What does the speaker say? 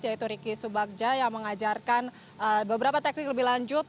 yaitu ricky subakja yang mengajarkan beberapa teknik lebih lanjut